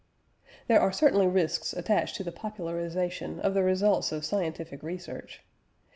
" There are certainly risks attached to the popularisation of the results of scientific research.